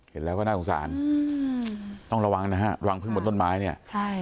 เห็นแล้วก็น่าสงสารต้องระวังนะฮะรังพึ่งบนต้นไม้เนี่ยใช่